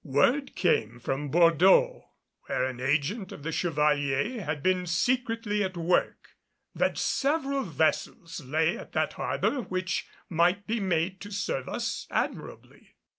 Word came from Bordeaux, where an agent of the Chevalier had been secretly at work, that several vessels lay at that harbor which might be made to serve us admirably.